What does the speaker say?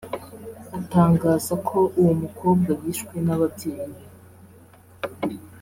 atangaza ko uwo mukobwa yishwe n’ababyeyi be